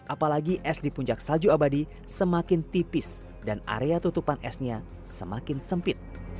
apalagi es di puncak salju abadi semakin tipis dan area tutupan esnya semakin sempit